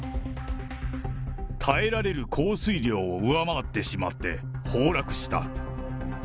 耐えられる降水量を上回ってしまって崩落した。